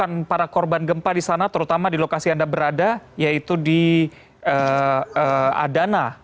yang para korban gempa di sana terutama di lokasi anda berada yaitu di adana